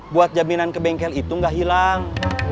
buat jaminan ke bengkel itu nggak hilang